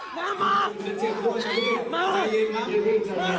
น้ำน้ำน้ำน้ำมามาดิมาดิมาพี่พออีกหนึ่งหนึ่ง